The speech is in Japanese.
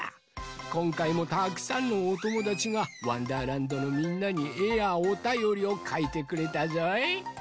こんかいもたくさんのおともだちが「わんだーらんど」のみんなにえやおたよりをかいてくれたぞい。